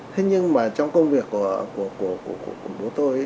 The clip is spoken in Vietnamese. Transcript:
thế nhưng mà trong công việc của bố tôi